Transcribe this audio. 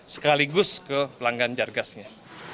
sekaligus ke pelanggan jar gasnya